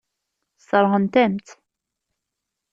Sseṛɣent-am-tt.